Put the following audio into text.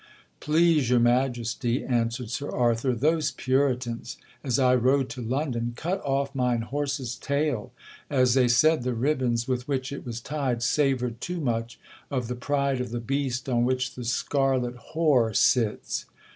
'—'Please your Majesty,' answered Sir Arthur, 'those Puritans, as I rode to London, cut off mine horse's tail, as they said the ribbons with which it was tied savoured too much of the pride of the beast on which the scarlet whore sits.